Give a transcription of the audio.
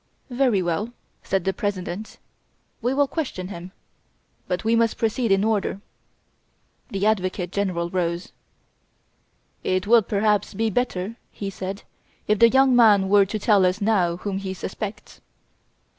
"Very well!" said the President, "we will question him. But we must proceed in order." The Advocate General rose: "It would, perhaps, be better," he said, "if the young man were to tell us now whom he suspects."